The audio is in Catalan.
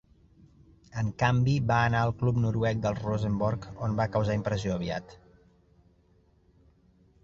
En canvi, va anar al club noruec del Rosenborg, on va causar impressió aviat.